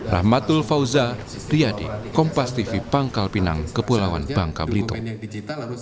rahmatul fauza riyadi kompas tv pangkal pinang kepulauan bangka belitung